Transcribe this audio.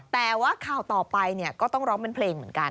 แต่ว่าข่าวต่อไปก็ต้องร้องเป็นเพลงเหมือนกัน